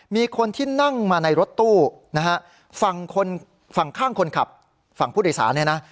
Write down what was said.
มีคนที่นั่งมาในรถตู้ฝั่งข้างคนขับฝั่งผู้โดยสาร